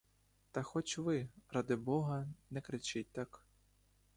Та хоч ви, ради бога, не кричіть так.